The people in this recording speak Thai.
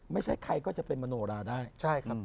ไม่ใช่ใครก็จะเป็นมโนราได้ใช่ครับ